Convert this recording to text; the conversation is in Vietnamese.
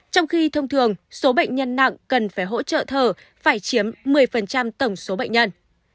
trong khi thông thường số bệnh nhân nặng cần phải hỗ trợ thở phải chiếm một mươi tổng số bệnh nhân